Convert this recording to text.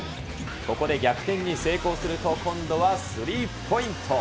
ここで逆転に成功すると、今度はスリーポイント。